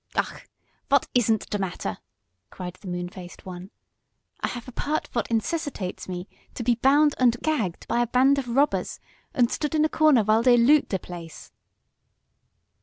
"Ach! Vot isn't der matter?" cried the moon faced one. "I haf a part vot incessitates me to be bound und gagged by a band of robbers, und stood in a corner vhile dey loot der blace."